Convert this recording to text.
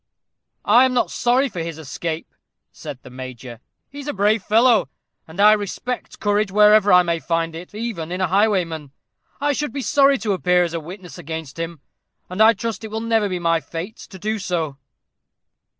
"I am not sorry for his escape," said the major. "He's a brave fellow; and I respect courage wherever I find it, even in a highwayman. I should be sorry to appear as a witness against him; and I trust it will never be my fate to do so."